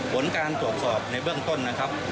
ผลการตรวจสอบในเบื้องต้นนะครับ